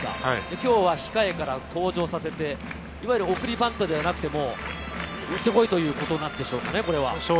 今日は控えから登場させて、いわゆる送りバントではなくて行ってこいということなんでしょうかね、これは。